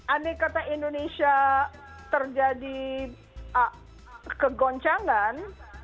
andai kata indonesia terjadi kegoncangan